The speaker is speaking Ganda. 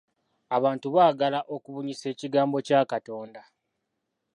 Abantu baagala okubunyisa ekigambo kya Katonda.